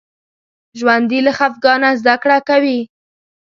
ژوندي له خفګانه زده کړه کوي